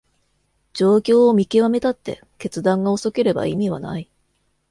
状況を見極めたって決断が遅ければ意味はない